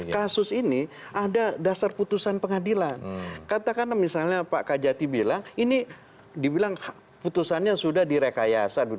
karena kasus ini ada dasar putusan pengadilan katakanlah misalnya pak kajati bilang ini dibilang putusannya sudah direkayasa